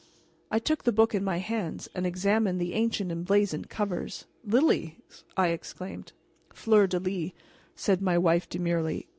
I took the book in my hands and examined the ancient emblazoned covers. "Lilies!" I exclaimed. "Fleur de lis," said my wife demurely.